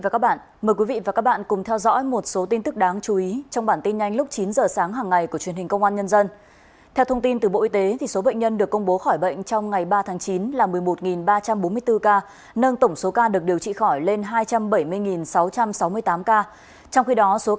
cảm ơn các bạn đã theo dõi